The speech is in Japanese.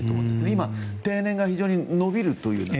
今、定年が非常に延びるという。